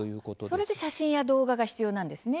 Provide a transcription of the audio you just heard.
それで写真や動画が必要なんですね。